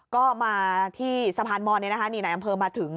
ก็มาที่สะพานมรณ์นี้นะคะนี่นายอำเภอมาถึง